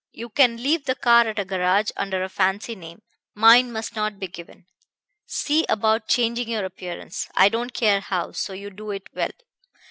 You can leave the car at a garage under a fancy name mine must not be given. See about changing your appearance I don't care how, so you do it well.